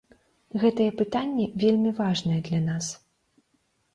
Гэтае пытанне вельмі важнае для нас.